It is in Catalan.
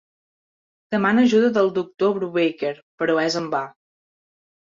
Demana ajuda del doctor Brubaker, però és en va.